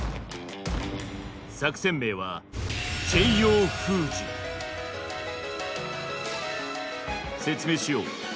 作戦名は説明しよう。